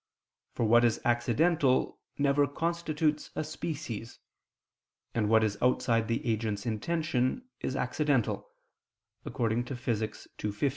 For what is accidental never constitutes a species; and what is outside the agent's intention is accidental (Phys. ii, text. 50).